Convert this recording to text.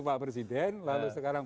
pak presiden lalu sekarang